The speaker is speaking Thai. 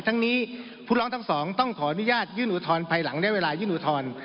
ทั้งนี้ผู้ร้องทั้งสองต้องขออนุญาตยื่นอุทธรณ์ภายหลังได้เวลายื่นอุทธรณ์